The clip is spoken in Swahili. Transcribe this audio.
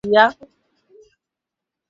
alitakiwa kuhutubia wafuasi wake Jumamosi